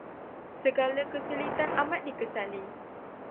Segala kesulitan amat dikesali.